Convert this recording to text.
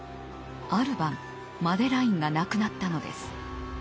ある晩マデラインが亡くなったのです。